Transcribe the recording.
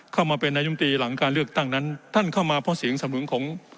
เข้ามาเป็นนายุมตรีหลังการเลือกตั้งนั้นท่านเข้ามาเพราะเสียงสำนุนของ